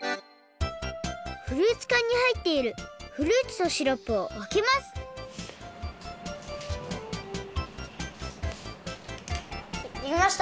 フルーツかんにはいっているフルーツとシロップをわけますできました。